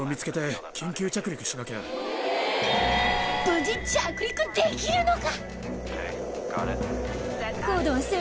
無事着陸できるのか？